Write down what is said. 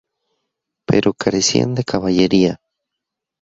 Pero carecían de caballería.